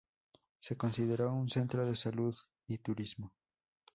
Se considera un centro de salud y turismo.